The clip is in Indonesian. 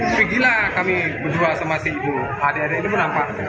tapi gila kami berdua sama si ibu adik adik itu menampak